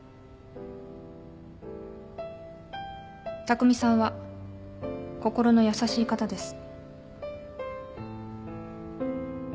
巧さんは心の優しい方です。